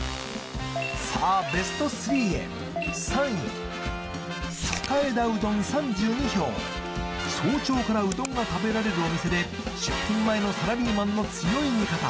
さあベスト３へ早朝からうどんが食べられるお店で出勤前のサラリーマンの強い味方